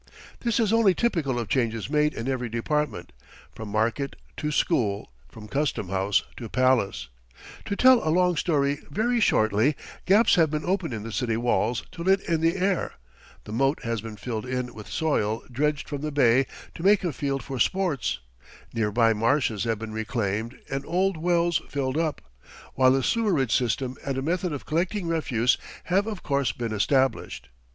This is only typical of changes made in every department, from market to school, from custom house to palace. To tell a long story very shortly, gaps have been opened in the city walls to let in the air, the moat has been filled in with soil dredged from the bay to make a field for sports, nearby marshes have been reclaimed and old wells filled up, while a sewerage system and a method of collecting refuse have of course been established.